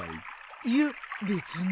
いや別に。